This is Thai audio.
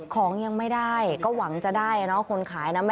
ของยังไม่ได้ก็หวังจะได้คนขายนะ